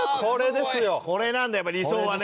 これなんだやっぱ理想はね。